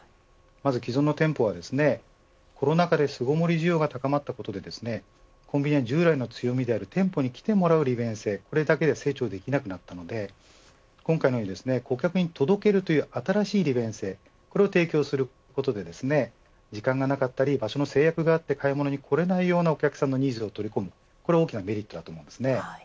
既存の店舗はコロナ禍で巣ごもり需要が高まったことで従来の強みである店舗に来てもらえる利便性がこれだけで成長できなくなったので顧客に届けるという新しい利便性これを提供することで、時間がなかったり、場所の制約があって買い物に来られないようなお客さまのニーズを取り込むメリットになります。